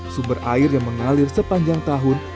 sumber air yang mengalir sepanjang tahun